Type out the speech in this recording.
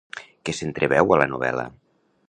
Què s'entreveu a la novel·la?